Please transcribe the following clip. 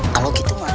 kalau gitu mah